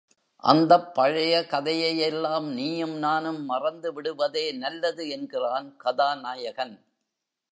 அந்தப் பழைய கதையையெல்லாம் நீயும் நானும் மறந்து விடுவதே நல்லது என்கிறான் கதாநாயகன்!